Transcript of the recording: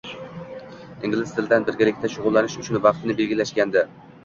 Ingliz tilidan birgalikda shugʻullanish uchun vaqtini belgilashgandi